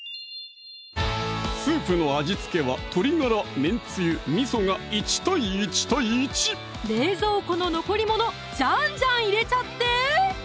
スープの味付けは鶏ガラ・めんつゆ・みそが１対１対１冷蔵庫の残り物ジャンジャン入れちゃって！